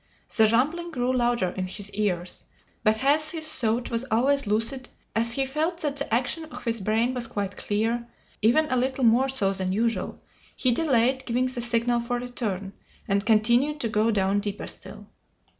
The rumbling grew louder in his ears, but as his thought was always lucid, as he felt that the action of his brain was quite clear even a little more so than usual he delayed giving the signal for return, and continued to go down deeper still.